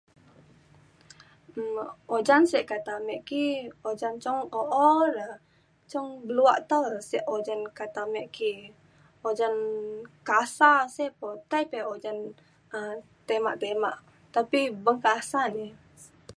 um ojan se kata ame ki ojan cong oo're cong beluak tau se ojan kata ame ki ojan kasa sey po tai pa ojan um temak temak tapi beng kasa ney